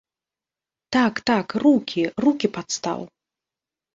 Так-так, рукі, рукі, падстаў.